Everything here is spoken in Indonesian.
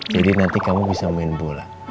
jadi nanti kamu bisa main bola